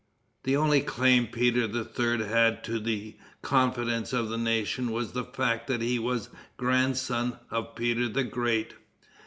The only claim Peter III. had to the confidence of the nation was the fact that he was grandson of Peter the Great.